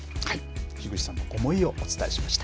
樋口さんの思いをお伝えしました。